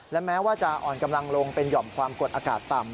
และแม้ว่าจะอ่อนกำลังลงเป็นหย่อมความกดอากาศต่ำ